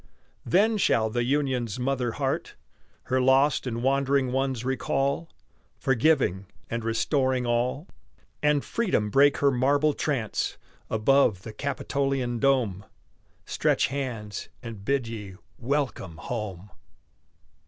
Then shall the Union's mother heart Her lost and wandering ones recall, Forgiving and restoring all, And Freedom break her marble trance Above the Capitolian dome, Stretch hands, and bid ye welcome home!